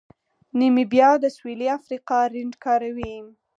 نیمیبیا د سویلي افریقا رینډ کاروي.